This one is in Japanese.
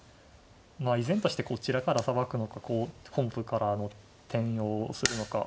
依然としてこちらからさばくのか本譜からの転用をするのか。